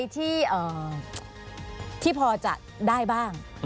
ที่พอจะได้บ้าง